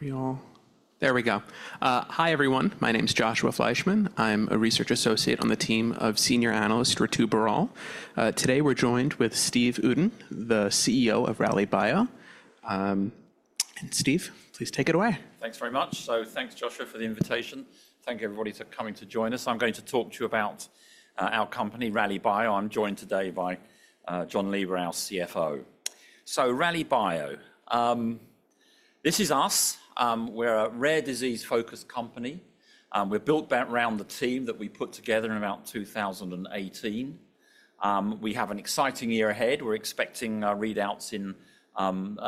There we go. Hi, everyone. My name is Joshua Fleischman. I'm a research associate on the team of Senior Analyst Ritu Baral. Today we're joined with Steve Uden, the CEO of Rallybio. Steve, please take it away. Thanks very much. Thanks, Joshua, for the invitation. Thank you, everybody, for coming to join us. I'm going to talk to you about our company, Rallybio. I'm joined today by John Lieber, our CFO. Rallybio, this is us. We're a rare disease-focused company. We're built around the team that we put together in about 2018. We have an exciting year ahead. We're expecting readouts in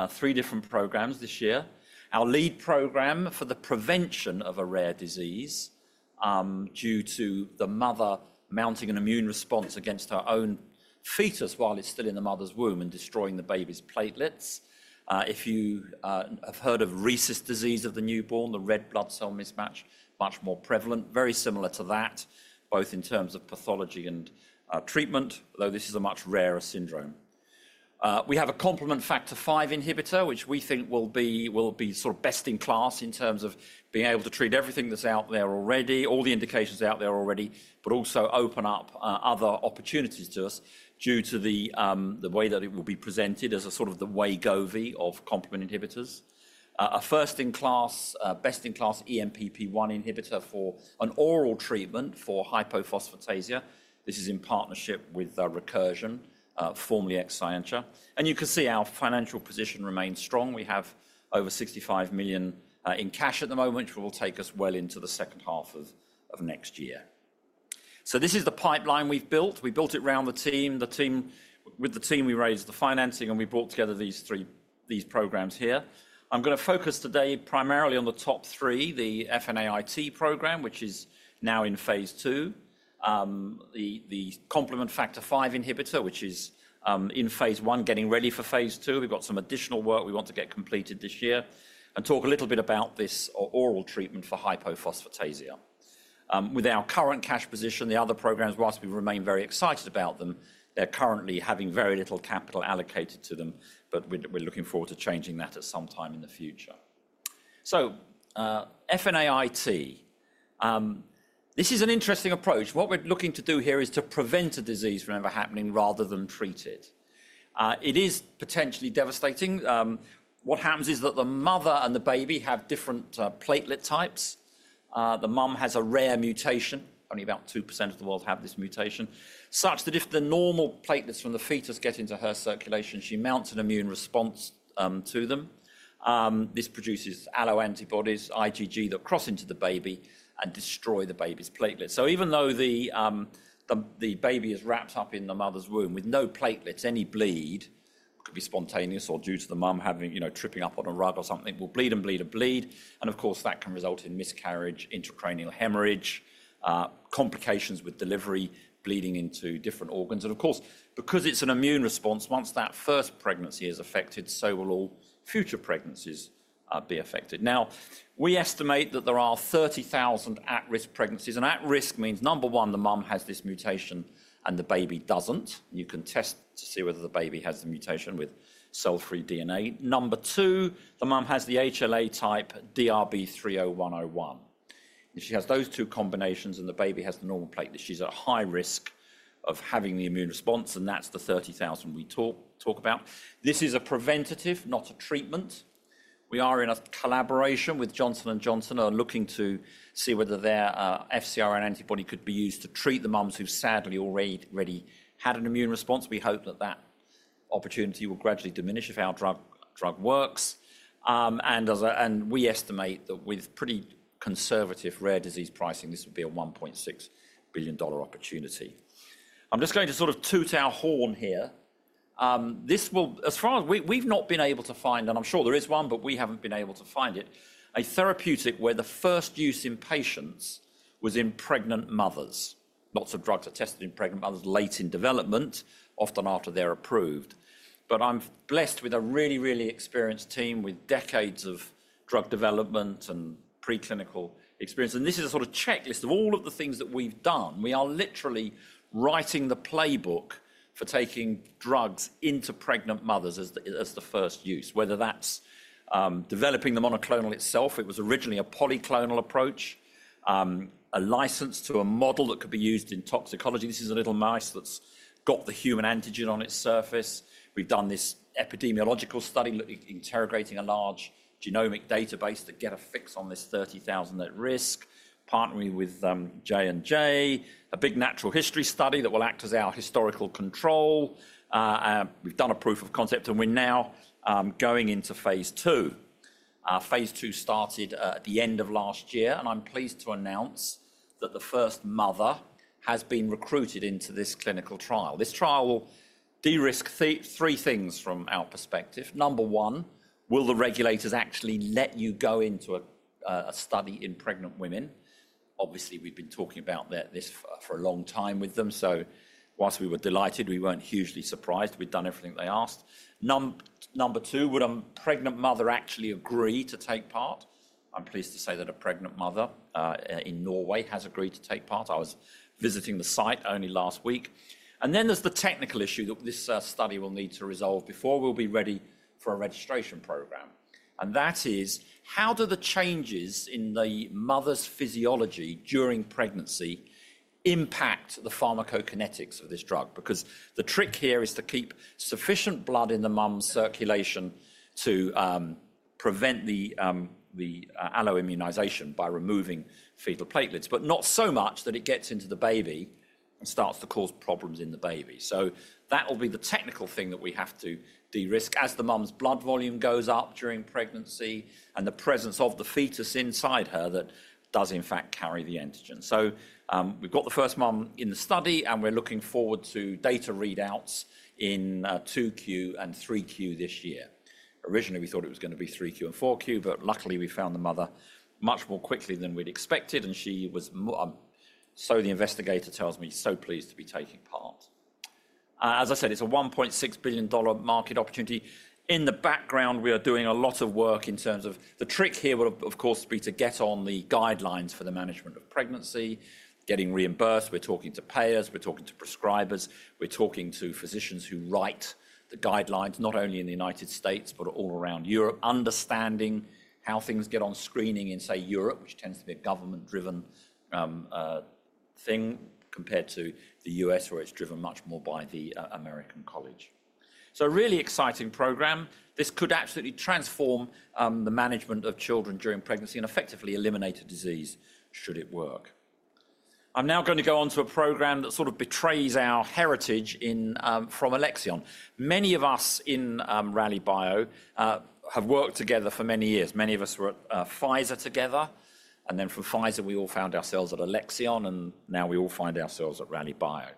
three different programs this year. Our lead program for the prevention of a rare disease due to the mother mounting an immune response against her own foetus while it's still in the mother's womb and destroying the baby's platelets. If you have heard of Rhesus disease of the newborn, the red blood cell mismatch, much more prevalent, very similar to that, both in terms of pathology and treatment, though this is a much rarer syndrome. We have a complement Factor V inhibitor, which we think will be sort of best in class in terms of being able to treat everything that's out there already, all the indications out there already, but also open up other opportunities to us due to the way that it will be presented as sort of the Wegovy of complement inhibitors. A first-in-class, best-in-class ENPP1 inhibitor for an oral treatment for hypophosphatasia. This is in partnership with Recursion, formerly Exscientia. You can see our financial position remains strong. We have over $65 million in cash at the moment, which will take us well into the second half of next year. This is the pipeline we've built. We built it around the team. With the team, we raised the financing, and we brought together these programs here. I'm going to focus today primarily on the top three, the FNAIT program, which is now in phase II, the complement Factor V inhibitor, which is in phase I, getting ready for phase II. We've got some additional work we want to get completed this year and talk a little bit about this oral treatment for hypophosphatasia. With our current cash position, the other programs, whilst we remain very excited about them, they're currently having very little capital allocated to them, but we're looking forward to changing that at some time in the future. FNAIT, this is an interesting approach. What we're looking to do here is to prevent a disease from ever happening rather than treat it. It is potentially devastating. What happens is that the mother and the baby have different platelet types. The mum has a rare mutation. Only about 2% of the world have this mutation, such that if the normal platelets from the foetus get into her circulation, she mounts an immune response to them. This produces alloantibodies, IgG, that cross into the baby and destroy the baby's platelets. Even though the baby is wrapped up in the mother's womb with no platelets, any bleed could be spontaneous or due to the mum tripping up on a rug or something, will bleed and bleed and bleed. Of course, that can result in miscarriage, intracranial hemorrhage, complications with delivery, bleeding into different organs. Because it is an immune response, once that first pregnancy is affected, so will all future pregnancies be affected. Now, we estimate that there are 30,000 at-risk pregnancies. At-risk means, number one, the mum has this mutation and the baby does not. You can test to see whether the baby has the mutation with cell-free DNA. Number two, the mum has the HLA type DRB3*01:01. If she has those two combinations and the baby has the normal platelets, she's at high risk of having the immune response, and that's the 30,000 we talk about. This is a preventative, not a treatment. We are in a collaboration with Johnson & Johnson and are looking to see whether their FcRn antibody could be used to treat the mums who sadly already had an immune response. We hope that that opportunity will gradually diminish if our drug works. We estimate that with pretty conservative rare disease pricing, this would be a $1.6 billion opportunity. I'm just going to sort of toot our horn here. As far as we've not been able to find, and I'm sure there is one, but we haven't been able to find it, a therapeutic where the first use in patients was in pregnant mothers. Lots of drugs are tested in pregnant mothers, late in development, often after they're approved. I'm blessed with a really, really experienced team with decades of drug development and preclinical experience. This is a sort of checklist of all of the things that we've done. We are literally writing the playbook for taking drugs into pregnant mothers as the first use, whether that's developing the monoclonal itself. It was originally a polyclonal approach, a license to a model that could be used in toxicology. This is a little mouse that's got the human antigen on its surface. We've done this epidemiological study interrogating a large genomic database to get a fix on this 30,000 at risk, partnering with J&J, a big natural history study that will act as our historical control. We've done a proof of concept, and we're now going into phase II. phase II started at the end of last year, and I'm pleased to announce that the first mother has been recruited into this clinical trial. This trial will de-risk three things from our perspective. Number one, will the regulators actually let you go into a study in pregnant women? Obviously, we've been talking about this for a long time with them. Whilst we were delighted, we weren't hugely surprised. We've done everything they asked. Number two, would a pregnant mother actually agree to take part? I'm pleased to say that a pregnant mother in Norway has agreed to take part. I was visiting the site only last week. There is the technical issue that this study will need to resolve before we'll be ready for a registration program. That is, how do the changes in the mother's physiology during pregnancy impact the pharmacokinetics of this drug? Because the trick here is to keep sufficient blood in the mum's circulation to prevent the alloimmunization by removing fetal platelets, but not so much that it gets into the baby and starts to cause problems in the baby. That will be the technical thing that we have to de-risk as the mum's blood volume goes up during pregnancy and the presence of the foetus inside her that does, in fact, carry the antigen. We have got the first mum in the study, and we're looking forward to data readouts in 2Q and 3Q this year. Originally, we thought it was going to be 3Q and 4Q, but luckily, we found the mother much more quickly than we'd expected, and she was, so the investigator tells me, so pleased to be taking part. As I said, it's a $1.6 billion market opportunity. In the background, we are doing a lot of work in terms of the trick here will, of course, be to get on the guidelines for the management of pregnancy, getting reimbursed. We're talking to payers. We're talking to prescribers. We're talking to physicians who write the guidelines, not only in the United States, but all around Europe, understanding how things get on screening in, say, Europe, which tends to be a government-driven thing compared to the U.S., where it's driven much more by the American College. A really exciting program. This could absolutely transform the management of children during pregnancy and effectively eliminate a disease should it work. I'm now going to go on to a program that sort of betrays our heritage from Alexion. Many of us in Rallybio have worked together for many years. Many of us were at Pfizer together. From Pfizer, we all found ourselves at Alexion, and now we all find ourselves at Rallybio.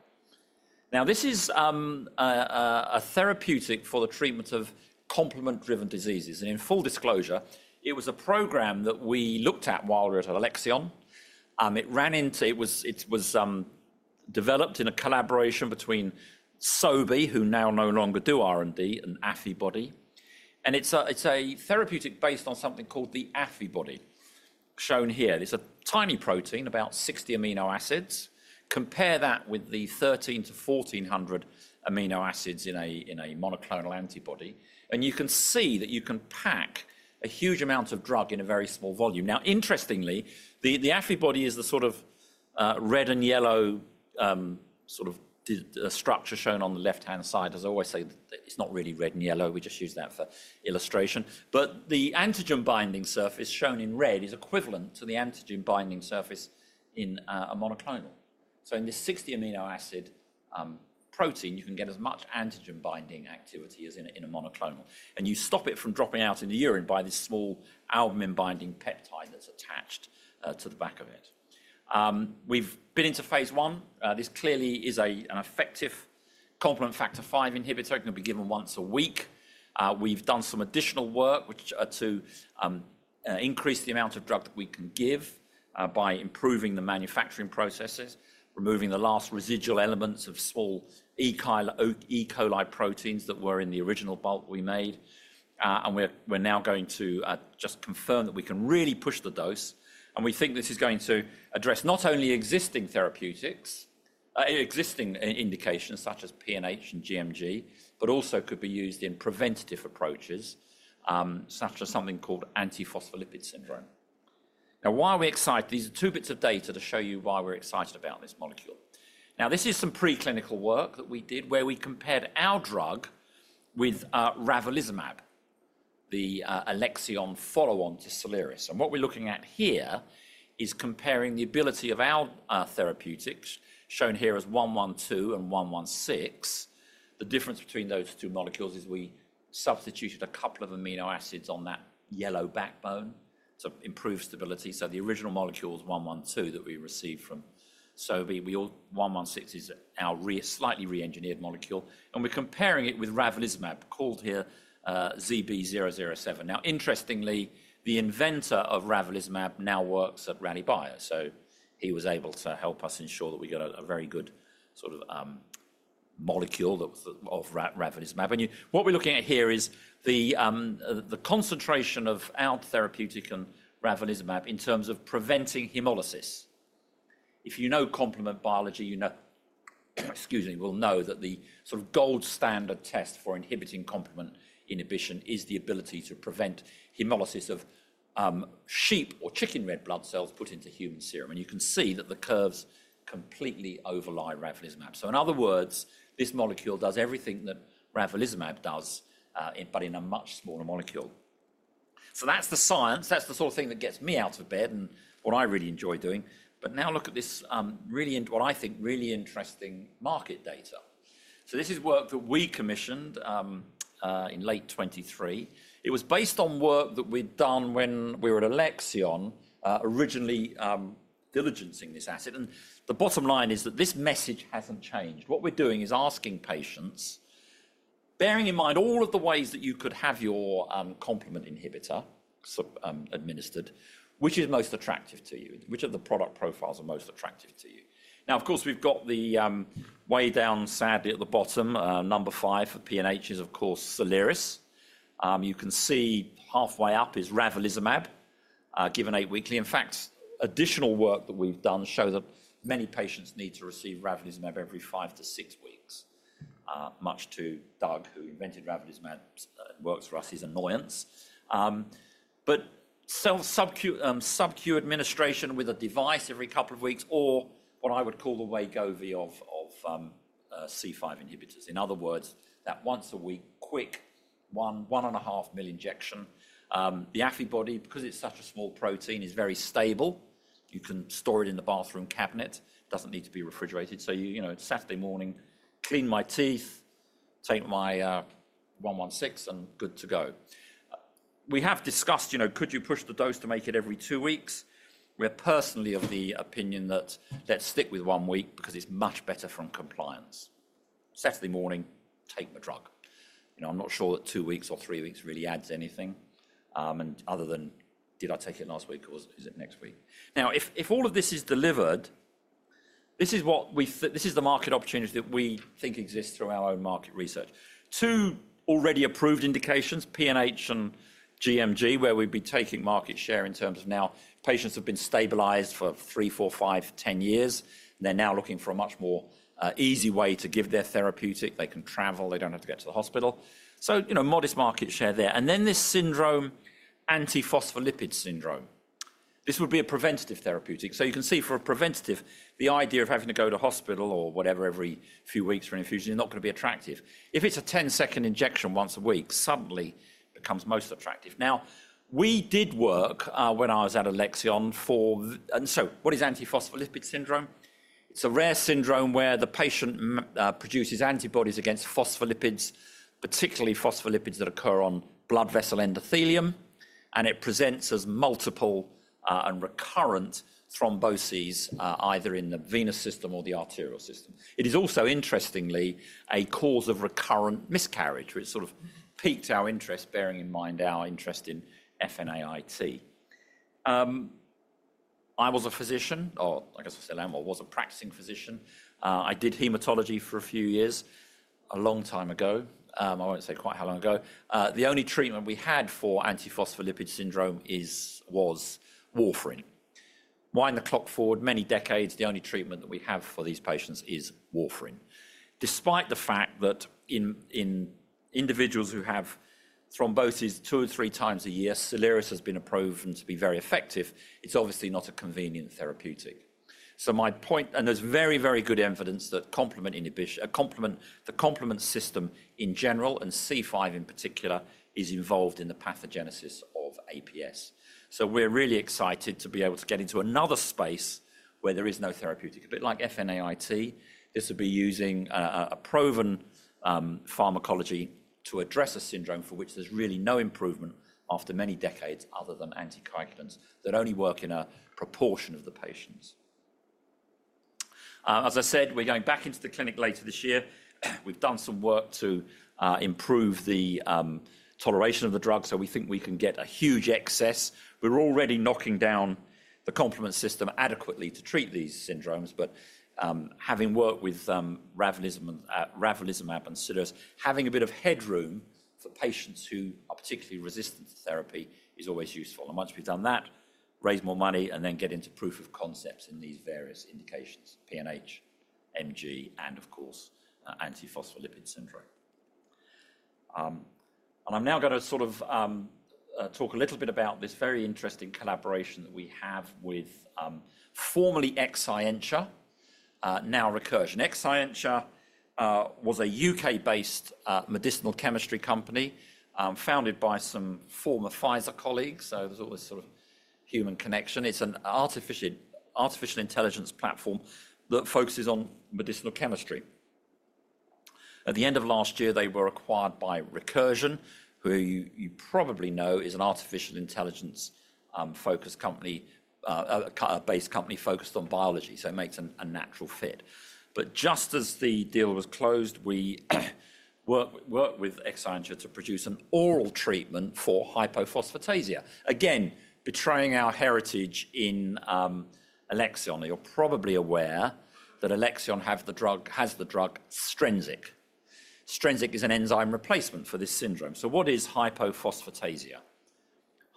This is a therapeutic for the treatment of complement-driven diseases. In full disclosure, it was a program that we looked at while we were at Alexion. It was developed in a collaboration between Sobi, who now no longer do R&D, and Affibody. It's a therapeutic based on something called the Affibody, shown here. It's a tiny protein, about 60 amino acids. Compare that with the 1300 amino acids to 1400 amino acids in a monoclonal antibody. You can see that you can pack a huge amount of drug in a very small volume. Interestingly, the Affibody is the sort of red and yellow sort of structure shown on the left-hand side. As I always say, it's not really red and yellow. We just use that for illustration. The antigen binding surface shown in red is equivalent to the antigen binding surface in a monoclonal. In this 60 amino acid protein, you can get as much antigen binding activity as in a monoclonal. You stop it from dropping out in the urine by this small albumin-binding peptide that's attached to the back of it. We've been into phase I. This clearly is an effective complement Factor V inhibitor. It can be given once a week. We've done some additional work to increase the amount of drug that we can give by improving the manufacturing processes, removing the last residual elements of small E. coli proteins that were in the original bulk we made. We're now going to just confirm that we can really push the dose. We think this is going to address not only existing therapeutics, existing indications such as PNH and gMG, but also could be used in preventative approaches such as something called antiphospholipid syndrome. Now, why are we excited? These are two bits of data to show you why we're excited about this molecule. This is some preclinical work that we did where we compared our drug with ravulizumab, the Alexion follow-on to Soliris. What we're looking at here is comparing the ability of our therapeutics, shown here as 112 and 116. The difference between those two molecules is we substituted a couple of amino acids on that yellow backbone to improve stability. The original molecule is 112 that we received from Sobi. 116 is our slightly re-engineered molecule. We are comparing it with ravulizumab, called here ZB007. Interestingly, the inventor of ravulizumab now works at Rallybio. He was able to help us ensure that we got a very good sort of molecule of ravulizumab. What we are looking at here is the concentration of our therapeutic and ravulizumab in terms of preventing hemolysis. If you know complement biology, you know, excuse me, will know that the sort of gold standard test for inhibiting complement inhibition is the ability to prevent hemolysis of sheep or chicken red blood cells put into human serum. You can see that the curves completely overlie ravulizumab. In other words, this molecule does everything that ravulizumab does, but in a much smaller molecule. That is the science. That is the sort of thing that gets me out of bed and what I really enjoy doing. Now look at this, really, what I think is really interesting market data. This is work that we commissioned in late 2023. It was based on work that we had done when we were at Alexion, originally diligencing this asset. The bottom line is that this message has not changed. What we are doing is asking patients, bearing in mind all of the ways that you could have your complement inhibitor administered, which is most attractive to you, which of the product profiles are most attractive to you. Of course, we have the way down, sadly, at the bottom, number five for PNH is, of course, Soliris. You can see halfway up is ravulizumab, given eight weekly. In fact, additional work that we've done shows that many patients need to receive ravulizumab every five to six weeks, much to Doug, who invented ravulizumab, works for us, his annoyance. Subcutaneous administration with a device every couple of weeks, or what I would call the Wegovy of C5 inhibitors. In other words, that once-a-week quick one-and-a-half-million injection. The Affibody, because it's such a small protein, is very stable. You can store it in the bathroom cabinet. It doesn't need to be refrigerated. Saturday morning, clean my teeth, take my 116, and good to go. We have discussed, could you push the dose to make it every two weeks? We're personally of the opinion that let's stick with one week because it's much better from compliance. Saturday morning, take the drug. I'm not sure that two weeks or three weeks really adds anything other than, did I take it last week or is it next week? Now, if all of this is delivered, this is the market opportunity that we think exists through our own market research. Two already approved indications, PNH and gMG, where we'd be taking market share in terms of now patients have been stabilized for three, four, five, 10 years. They're now looking for a much more easy way to give their therapeutic. They can travel. They don't have to get to the hospital. Modest market share there. And then this syndrome, antiphospholipid syndrome. This would be a preventative therapeutic. You can see for a preventative, the idea of having to go to hospital or whatever every few weeks for an infusion is not going to be attractive. If it's a 10-second injection once a week, suddenly it becomes most attractive. Now, we did work when I was at Alexion for, and so what is antiphospholipid syndrome? It's a rare syndrome where the patient produces antibodies against phospholipids, particularly phospholipids that occur on blood vessel endothelium. It presents as multiple and recurrent thromboses, either in the venous system or the arterial system. It is also, interestingly, a cause of recurrent miscarriage, which sort of piqued our interest, bearing in mind our interest in FNAIT. I was a physician, or I guess I'll say I was a practicing physician. I did hematology for a few years a long time ago. I won't say quite how long ago. The only treatment we had for antiphospholipid syndrome was warfarin. Wind the clock forward many decades, the only treatment that we have for these patients is warfarin. Despite the fact that in individuals who have thromboses two or three times a year, Soliris has been approved to be very effective, it's obviously not a convenient therapeutic. My point, and there's very, very good evidence that the complement system in general and C5 in particular is involved in the pathogenesis of APS. We're really excited to be able to get into another space where there is no therapeutic. A bit like FNAIT, this would be using a proven pharmacology to address a syndrome for which there's really no improvement after many decades other than anticoagulants that only work in a proportion of the patients. As I said, we're going back into the clinic later this year. We've done some work to improve the toleration of the drug, so we think we can get a huge excess. We're already knocking down the complement system adequately to treat these syndromes, but having worked with ravulizumab and Soliris, having a bit of headroom for patients who are particularly resistant to therapy is always useful. Once we've done that, raise more money and then get into proof of concepts in these various indications, PNH, gMG, and of course, antiphospholipid syndrome. I'm now going to sort of talk a little bit about this very interesting collaboration that we have with formerly Exscientia, now Recursion. Exscientia was a U.K.-based medicinal chemistry company founded by some former Pfizer colleagues. There is always sort of human connection. It's an artificial intelligence platform that focuses on medicinal chemistry. At the end of last year, they were acquired by Recursion, who you probably know is an artificial intelligence-focused company-based company focused on biology, so it makes a natural fit. Just as the deal was closed, we worked with Exscientia to produce an oral treatment for hypophosphatasia. Again, betraying our heritage in Alexion. You're probably aware that Alexion has the drug STRENSIQ. STRENSIQ is an enzyme replacement for this syndrome. What is hypophosphatasia?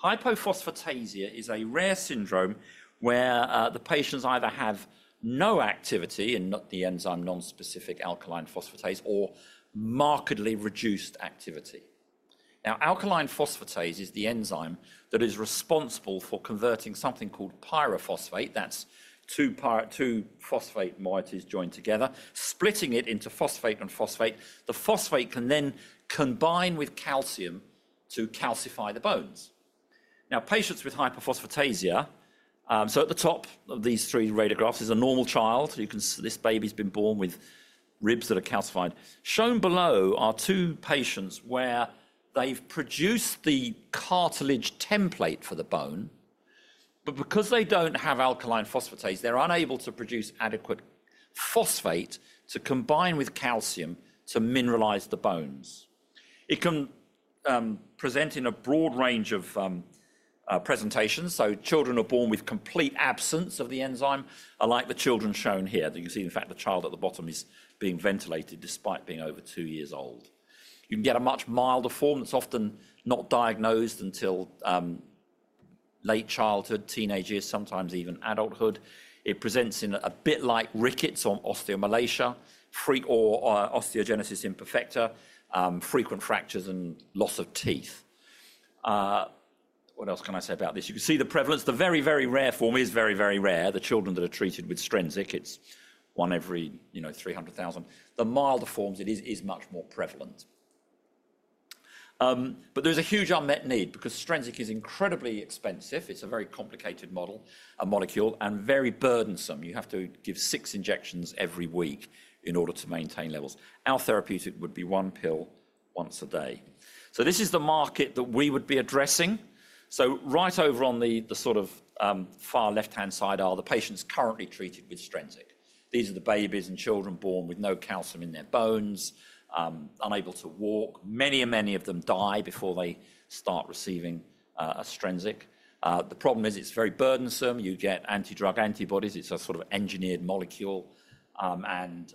Hypophosphatasia is a rare syndrome where the patients either have no activity in the enzyme nonspecific alkaline phosphatase or markedly reduced activity. Now, alkaline phosphatase is the enzyme that is responsible for converting something called pyrophosphate. That's two phosphate molecules joined together, splitting it into phosphate and phosphate. The phosphate can then combine with calcium to calcify the bones. Now, patients with hypophosphatasia, at the top of these three radiographs is a normal child. You can see this baby's been born with ribs that are calcified. Shown below are two patients where they've produced the cartilage template for the bone, but because they don't have alkaline phosphatase, they're unable to produce adequate phosphate to combine with calcium to mineralize the bones. It can present in a broad range of presentations. Children are born with complete absence of the enzyme, unlike the children shown here. You can see, in fact, the child at the bottom is being ventilated despite being over two years old. You can get a much milder form that's often not diagnosed until late childhood, teenage years, sometimes even adulthood. It presents a bit like rickets or osteomalacia, osteogenesis imperfecta, frequent fractures, and loss of teeth. What else can I say about this? You can see the prevalence. The very, very rare form is very, very rare. The children that are treated with STRENSIQ, it's one every 300,000. The milder forms, it is much more prevalent. There is a huge unmet need because STRENSIQ is incredibly expensive. It is a very complicated molecule and very burdensome. You have to give six injections every week in order to maintain levels. Our therapeutic would be one pill once a day. This is the market that we would be addressing. Right over on the sort of far left-hand side are the patients currently treated with STRENSIQ. These are the babies and children born with no calcium in their bones, unable to walk. Many, many of them die before they start receiving STRENSIQ. The problem is it is very burdensome. You get anti-drug antibodies. It is a sort of engineered molecule and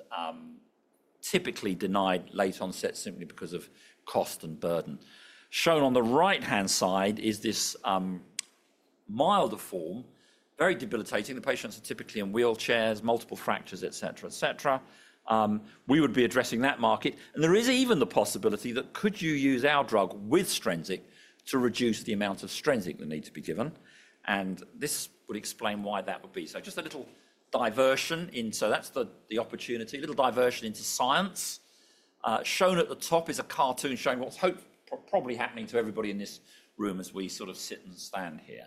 typically denied late onset simply because of cost and burden. Shown on the right-hand side is this milder form, very debilitating. The patients are typically in wheelchairs, multiple fractures, etc., etc. We would be addressing that market. There is even the possibility that could you use our drug with STRENSIQ to reduce the amount of STRENSIQ that needs to be given? This would explain why that would be. Just a little diversion in, so that's the opportunity, a little diversion into science. Shown at the top is a cartoon showing what's probably happening to everybody in this room as we sort of sit and stand here.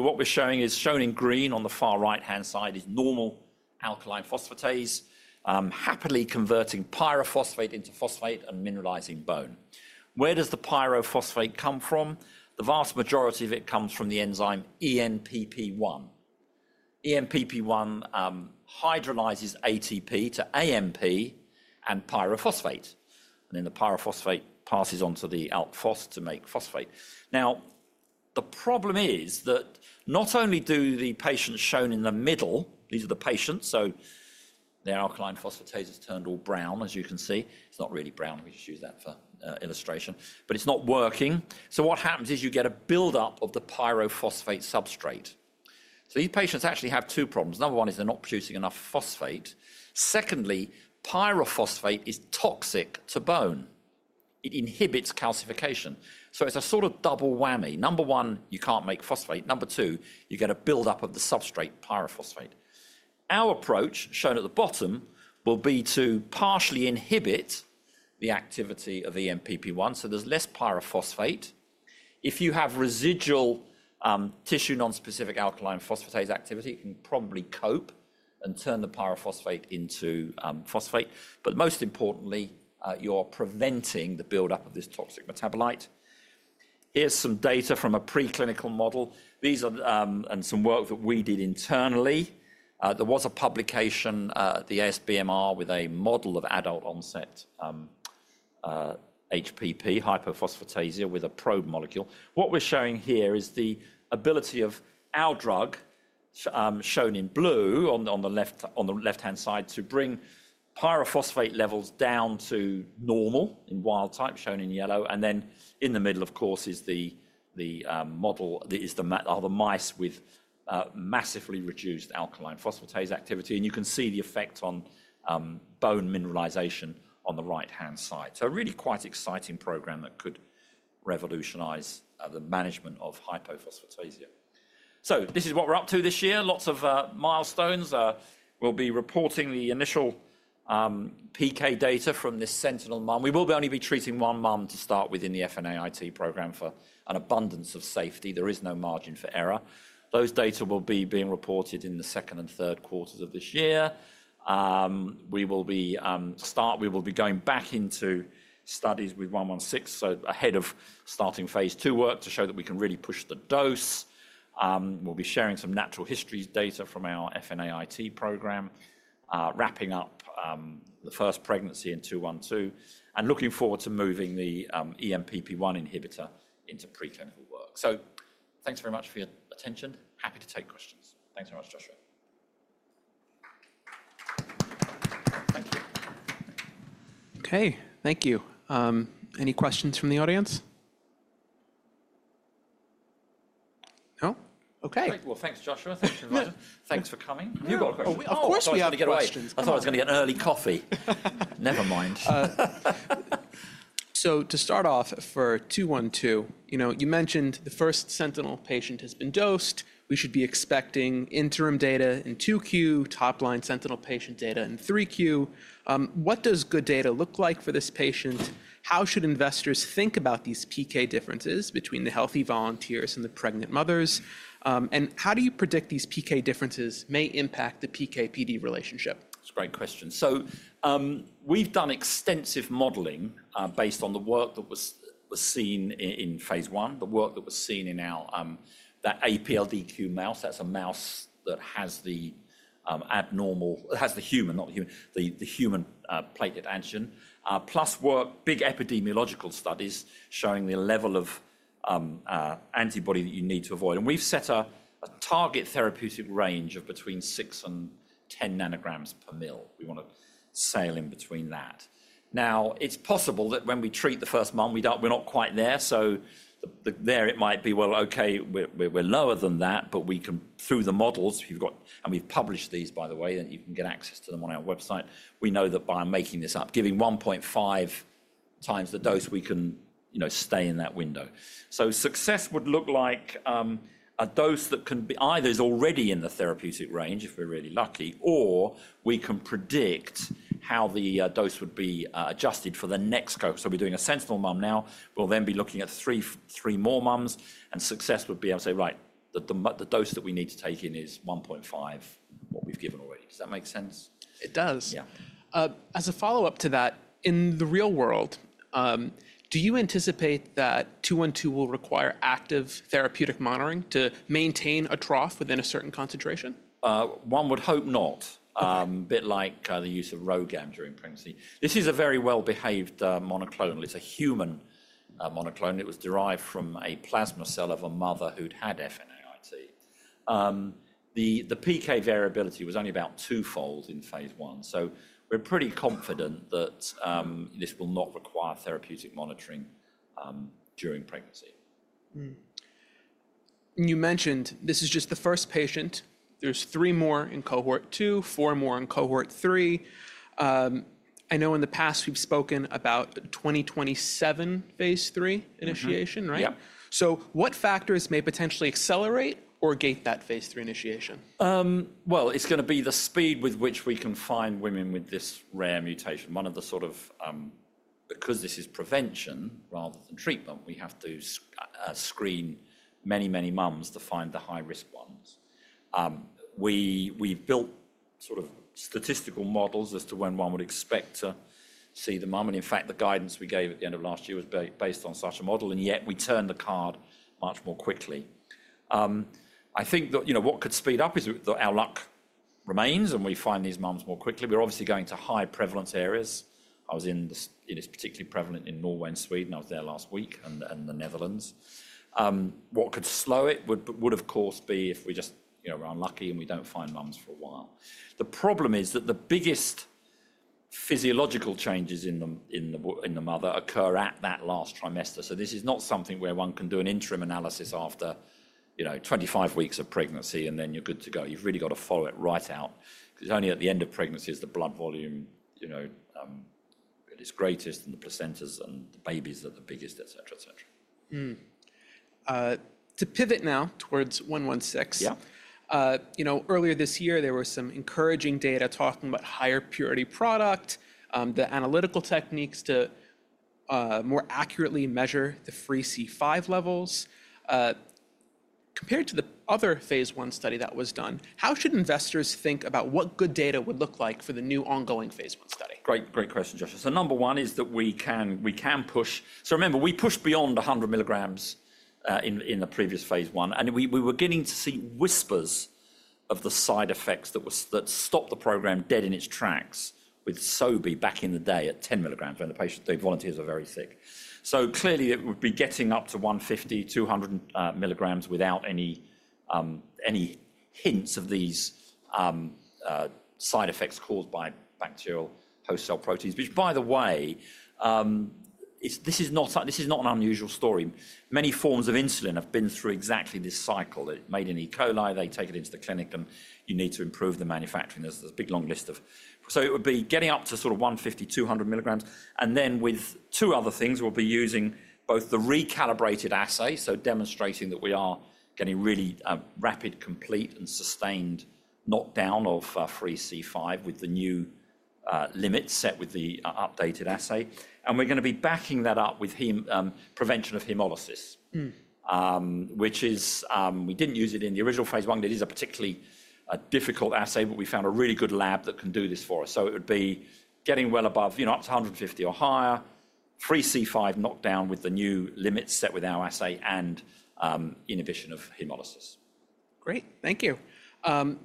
What we're showing is shown in green on the far right-hand side is normal alkaline phosphatase, happily converting pyrophosphate into phosphate and mineralizing bone. Where does the pyrophosphate come from? The vast majority of it comes from the enzyme ENPP1. ENPP1 hydrolyzes ATP to AMP and pyrophosphate. Then the pyrophosphate passes on to the alk phos to make phosphate. Now, the problem is that not only do the patients shown in the middle, these are the patients, so their alkaline phosphatase has turned all brown, as you can see. It's not really brown. We just use that for illustration. But it's not working. What happens is you get a buildup of the pyrophosphate substrate. These patients actually have two problems. Number one is they're not producing enough phosphate. Secondly, pyrophosphate is toxic to bone. It inhibits calcification. It's a sort of double whammy. Number one, you can't make phosphate. Number two, you get a buildup of the substrate, pyrophosphate. Our approach, shown at the bottom, will be to partially inhibit the activity of ENPP1, so there's less pyrophosphate. If you have residual tissue nonspecific alkaline phosphatase activity, you can probably cope and turn the pyrophosphate into phosphate. Most importantly, you're preventing the buildup of this toxic metabolite. Here's some data from a preclinical model. These are some work that we did internally. There was a publication, the ASBMR, with a model of adult onset HPP, hypophosphatasia, with a probe molecule. What we're showing here is the ability of our drug, shown in blue on the left-hand side, to bring pyrophosphate levels down to normal in wild type, shown in yellow. In the middle, of course, is the model that is the mice with massively reduced alkaline phosphatase activity. You can see the effect on bone mineralization on the right-hand side. Really quite exciting program that could revolutionize the management of hypophosphatasia. This is what we're up to this year. Lots of milestones. We'll be reporting the initial PK data from this sentinel mum. We will only be treating one mum to start with in the FNAIT program for an abundance of safety. There is no margin for error. Those data will be being reported in the second and third quarters of this year. We will be going back into studies with 116, so ahead of starting phase II work to show that we can really push the dose. We'll be sharing some natural history data from our FNAIT program, wrapping up the first pregnancy in 212, and looking forward to moving the ENPP1 inhibitor into preclinical work. Thanks very much for your attention. Happy to take questions. Thanks very much, Joshua. Thank you. Okay. Thank you. Any questions from the audience? No? Okay. Great. Thanks, Joshua. Thanks for coming. You've got a question? Of course, we have a question. I thought I was going to get an early coffee. Never mind. To start off for 212, you mentioned the first sentinel patient has been dosed. We should be expecting interim data in 2Q, top-line sentinel patient data in 3Q. What does good data look like for this patient? How should investors think about these PK differences between the healthy volunteers and the pregnant mothers? How do you predict these PK differences may impact the PK-PD relationship? That's a great question. We've done extensive modeling based on the work that was seen in phase I, the work that was seen in that APLDQ mouse. That's a mouse that has the abnormal, has the human, not the human, the human platelet antigen, plus big epidemiological studies showing the level of antibody that you need to avoid. We've set a target therapeutic range of between six and 10 nanograms per mil. We want to sail in between that. Now, it's possible that when we treat the first mum, we're not quite there. There it might be, well, okay, we're lower than that, but we can, through the models, and we've published these, by the way, and you can get access to them on our website. We know that by making this up, giving 1.5 times the dose, we can stay in that window. Success would look like a dose that can either is already in the therapeutic range, if we're really lucky, or we can predict how the dose would be adjusted for the next cope. We're doing a sentinel mum now. We'll then be looking at three more mums, and success would be able to say, right, the dose that we need to take in is 1.5 what we've given already. Does that make sense? It does. Yeah. As a follow-up to that, in the real world, do you anticipate that 212 will require active therapeutic monitoring to maintain a trough within a certain concentration? One would hope not, a bit like the use of RhoGAM during pregnancy. This is a very well-behaved monoclonal. It's a human monoclone. It was derived from a plasma cell of a mother who'd had FNAIT. The PK variability was only about twofold in phase I. So we're pretty confident that this will not require therapeutic monitoring during pregnancy. You mentioned this is just the first patient. There's three more in cohort two, four more in cohort three. I know in the past we've spoken about 2027 phase III initiation, right? Yeah. What factors may potentially accelerate or gate that phase III initiation? It's going to be the speed with which we can find women with this rare mutation. One of the sort of, because this is prevention rather than treatment, we have to screen many, many mums to find the high-risk ones. We've built sort of statistical models as to when one would expect to see the mum. In fact, the guidance we gave at the end of last year was based on such a model. Yet we turned the card much more quickly. I think that what could speed up is that our luck remains and we find these mums more quickly. We're obviously going to high-prevalence areas. I was in this particularly prevalent in Norway and Sweden. I was there last week and the Netherlands. What could slow it would, of course, be if we just were unlucky and we don't find mums for a while. The problem is that the biggest physiological changes in the mother occur at that last trimester. This is not something where one can do an interim analysis after 25 weeks of pregnancy and then you're good to go. You've really got to follow it right out. Because only at the end of pregnancy is the blood volume at its greatest and the placentas and the babies are the biggest, etc., etc. To pivot now towards 116. Earlier this year, there were some encouraging data talking about higher purity product, the analytical techniques to more accurately measure the free C5 levels. Compared to the other phase I study that was done, how should investors think about what good data would look like for the new ongoing phase I study? Great question, Joshua. Number one is that we can push. Remember, we pushed beyond 100 mg in the previous phase I. We were getting to see whispers of the side effects that stopped the program dead in its tracks with Sobi back in the day at 10 mg when the volunteers were very sick. Clearly, it would be getting up to 150 mg-200 mg without any hints of these side effects caused by bacterial host cell proteins. Which, by the way, this is not an unusual story. Many forms of insulin have been through exactly this cycle. Made in E. coli, they take it into the clinic and you need to improve the manufacturing. There's a big long list of. It would be getting up to sort of 150 mg-200 mg. With two other things, we'll be using both the recalibrated assay, so demonstrating that we are getting really rapid, complete, and sustained knockdown of free C5 with the new limits set with the updated assay. We're going to be backing that up with prevention of hemolysis, which is we didn't use it in the original phase I. It is a particularly difficult assay, but we found a really good lab that can do this for us. It would be getting well above up to 150 mg or higher, free C5 knockdown with the new limits set with our assay and inhibition of hemolysis. Great. Thank you.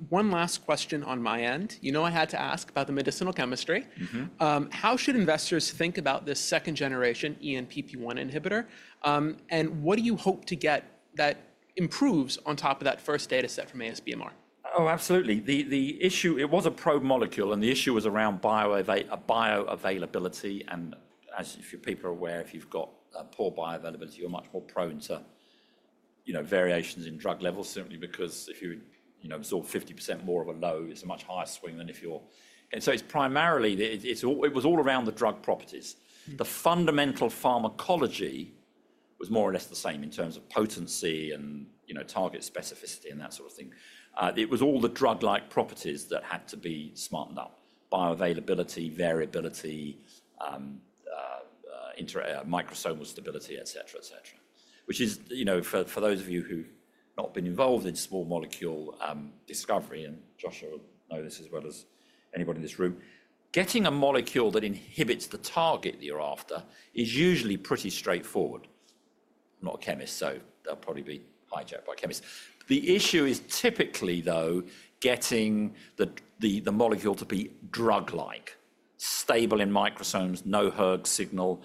One last question on my end. You know I had to ask about the medicinal chemistry. How should investors think about this second-generation ENPP1 inhibitor? What do you hope to get that improves on top of that first data set from ASBMR? Oh, absolutely. It was a probe molecule, and the issue was around bioavailability. As people are aware, if you've got poor bioavailability, you're much more prone to variations in drug levels, simply because if you absorb 50% more of a low, it's a much higher swing than if you're—so primarily, it was all around the drug properties. The fundamental pharmacology was more or less the same in terms of potency and target specificity and that sort of thing. It was all the drug-like properties that had to be smartened up: bioavailability, variability, microsomal stability, etc., etc. Which is, for those of you who have not been involved in small molecule discovery, and Joshua will know this as well as anybody in this room, getting a molecule that inhibits the target that you're after is usually pretty straightforward. I'm not a chemist, so they'll probably be hijacked by chemists. The issue is typically, though, getting the molecule to be drug-like, stable in microsomes, no hERG signal,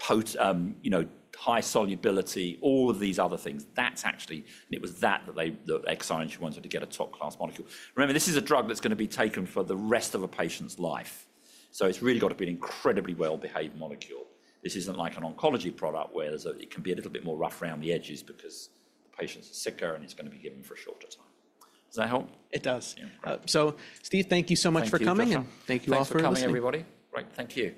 high solubility, all of these other things. That's actually, and it was that that the Exscientia wanted to get a top-class molecule. Remember, this is a drug that's going to be taken for the rest of a patient's life. So it's really got to be an incredibly well-behaved molecule. This isn't like an oncology product where it can be a little bit more rough around the edges because the patient's sicker and it's going to be given for a shorter time. Does that help? It does. Steve, thank you so much for coming. Thank you all for coming, everybody. Great. Thank you.